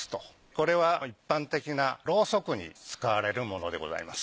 これは一般的なロウソクに使われるものでございます。